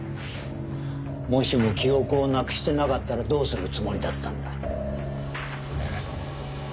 もしも記憶をなくしてなかったらどうするつもりだったんだ？え？